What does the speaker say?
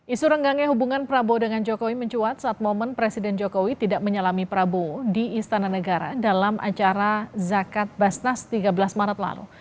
isu renggangnya hubungan prabowo dengan jokowi mencuat saat momen presiden jokowi tidak menyalami prabowo di istana negara dalam acara zakat basnas tiga belas maret lalu